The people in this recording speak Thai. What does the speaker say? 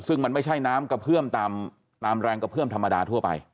ซึ่งมันไม่ใช่น้ำกระเพื่อมตามแรงกระเพื่อมธรรมดาทั่วไป